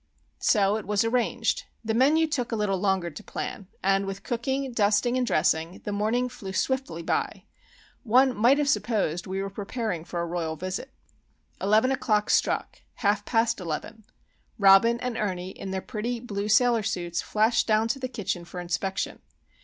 So it was arranged. The menu took a little longer to plan; and with cooking, dusting, and dressing, the morning flew swiftly by. One might have supposed we were preparing for a royal visit. Eleven o'clock struck,—half past eleven. Robin and Ernie in their pretty blue sailor suits flashed down to the kitchen for inspection.